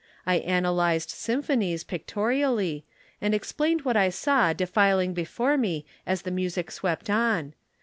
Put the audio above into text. I analyzed symphonies pictorially and explained what I saw defiling before me as the music swept on.